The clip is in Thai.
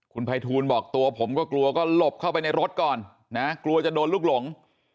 คุณภัยทูลบอกตัวผมก็กลัวก็หลบเข้าไปในรถก่อนนะกลัวจะโดนลูกหลง